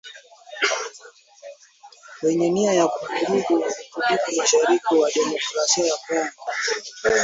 wenye nia ya kuvuruga utulivu mashariki mwa Demokrasia ya Kongo